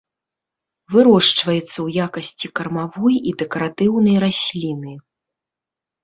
Вырошчваецца ў якасці кармавой і дэкаратыўнай расліны.